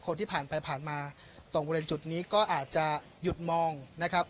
ผ่านไปผ่านมาตรงบริเวณจุดนี้ก็อาจจะหยุดมองนะครับ